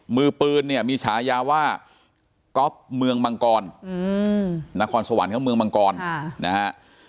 มือปืนเนี่ยมีฉายาว่าก๊อฟเมืองมังกรนครสวรรค์เขาเมืองมังกรนะฮะ